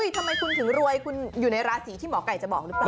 ทำไมคุณถึงรวยคุณอยู่ในราศีที่หมอไก่จะบอกหรือเปล่า